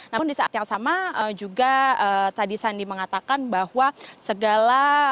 namun di saat yang sama juga tadi sandi mengatakan bahwa segala